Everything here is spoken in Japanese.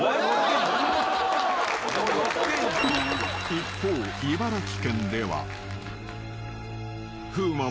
［一方茨城県では］